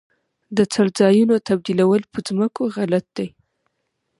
د څړځایونو تبدیلول په ځمکو غلط دي.